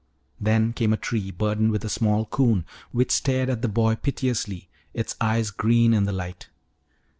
Then came a tree burdened with a small 'coon which stared at the boy piteously, its eyes green in the light.